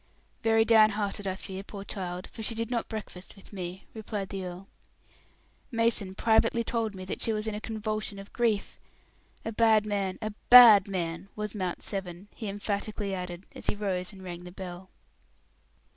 "Very down hearted, I fear, poor child, for she did not breakfast with me," replied the earl. "Mason privately told me that she was in a convulsion of grief. A bad man, a bad man, was Mount Severn," he emphatically added, as he rose and rang the bell.